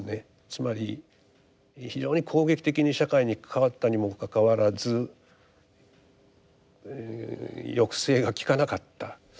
つまり非常に攻撃的に社会に関わったにもかかわらず抑制がきかなかった。